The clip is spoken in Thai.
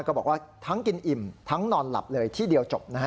บอกว่าทั้งกินอิ่มทั้งนอนหลับเลยที่เดียวจบนะฮะ